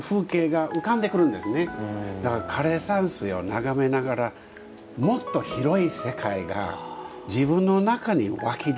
だから枯山水を眺めながらもっと広い世界が自分の中に湧き出てくる。